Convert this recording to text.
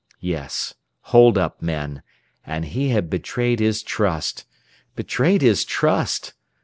Yes; hold up men. And he had betrayed his trust. Betrayed his trust!